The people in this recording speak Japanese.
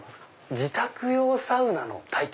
自宅用サウナの体験？